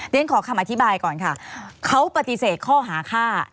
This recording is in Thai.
เรียนขอคำอธิบายก่อนค่ะเขาปฏิเสธข้อหาฆ่า